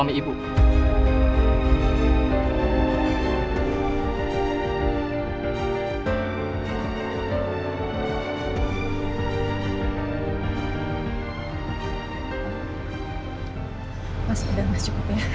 mas ida mas cukup ya